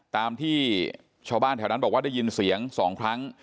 ตามที่ชาวบ้านแถวนั้นบอกว่าได้ยินเสียง๒ครั้ง